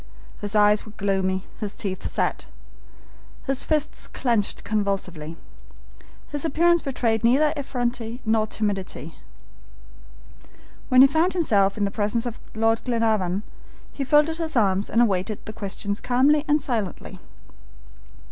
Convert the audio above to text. His eyes were gloomy, his teeth set, his fists clenched convulsively. His appearance betrayed neither effrontery nor timidity. When he found himself in the presence of Lord Glenarvan he folded his arms and awaited the questions calmly and silently.